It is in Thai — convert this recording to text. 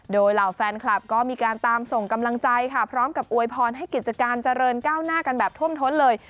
โดยเหล่าแฟนคลับก็มีการตามส่งกำลังใจค่ะพร้อมกับอวยพรให้กิจการเจริญก้าวหน้ากันแบบท่วมท้นเลย